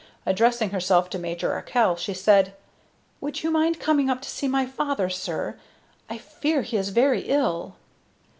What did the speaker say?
Addressing herself to Major Arkell, she said: "Would you mind coming up to see my father, sir? I fear he is very ill."